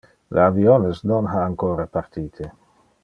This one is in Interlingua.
Le aviones non ha ancora partite.